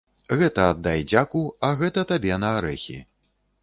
Гэта аддай дзяку, а гэта табе на арэхі.